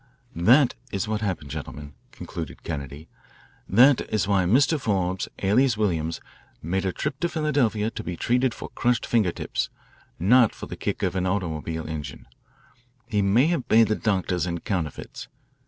"That is what happened, gentlemen," concluded Kennedy. "That is why Mr. Forbes, alias Williams, made a trip to Philadelphia to be treated for crushed finger tips, not for the kick of an automobile engine. He may have paid the doctors in counterfeits.